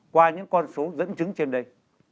qua những con số dẫn chứng trên đây